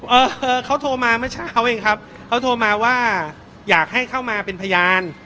เออเขาโทรมาเมื่อเช้าเองครับเขาโทรมาว่าอยากให้เข้ามาเป็นพยาน